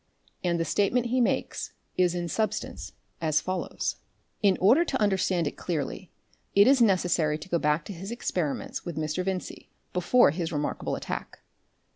And the statement he makes is in substance as follows. In order to understand it clearly it is necessary to go back to his experiments with Mr. Vincey before his remarkable attack.